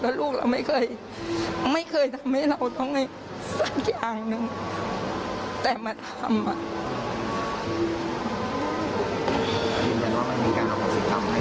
แล้วลูกเราไม่เคยทำให้เราทำให้สักอย่างนึงแต่มาทำ